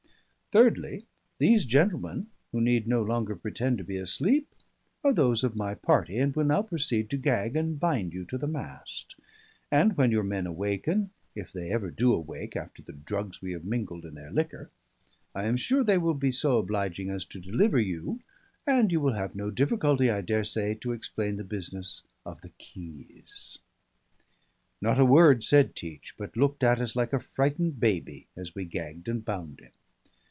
Thirdly, these gentlemen (who need no longer pretend to be asleep) are those of my party, and will now proceed to gag and bind you to the mast; and when your men awaken (if they ever do awake after the drugs we have mingled in their liquor), I am sure they will be so obliging as to deliver you, and you will have no difficulty, I daresay, to explain the business of the keys." Not a word said Teach, but looked at us like a frightened baby as we gagged and bound him.